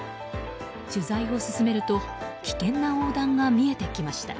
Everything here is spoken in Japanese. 取材を進めると危険な横断が見えてきました。